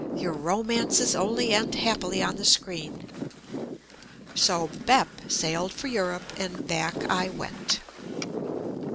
Your ro mances only end happily on the screen" — so "Bep" sailed for Europe and back I went.